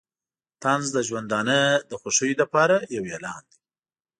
طنز د ژوندانه د خوښیو لپاره یو اعلان دی.